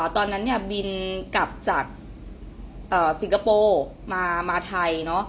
ตอนนั้นบินกลับจากสิงคโปร์มาไทย